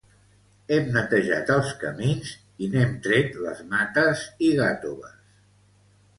Hem netejat els camins, i n'hem tret les mates i gatoves.